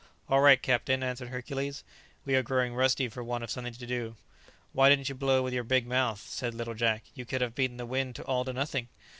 "All right, captain," answered Hercules, "we are growing rusty for want of something to do." "Why didn't you blow with your big mouth?" said little Jack; "you could have beaten the wind all to nothing."